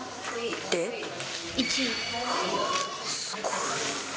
すごい。